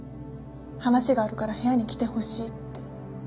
話があるから部屋に来てほしいって。